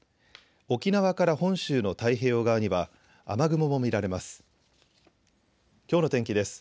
沖縄から本州の太平洋側には雨雲も見られます。